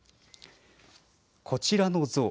こちらの像。